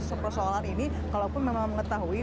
soal soalan ini kalaupun memang mengetahui